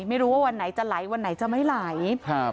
ไม่รู้ว่าวันไหนจะไหลวันไหนจะไม่ไหลครับ